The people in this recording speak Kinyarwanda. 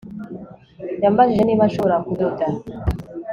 Yambajije niba nshobora kudoda